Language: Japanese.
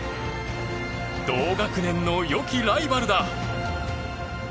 同学年の良きライバルだ。